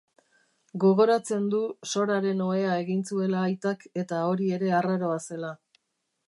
Gogoratzen du Soraren ohea egin zuela aitak eta hori ere arraroa zela.